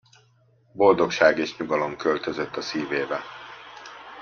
Boldogság és nyugalom költözött a szívébe.